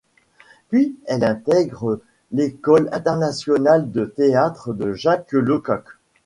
Puis elle intègre l'école internationale de théâtre de Jacques Lecoq.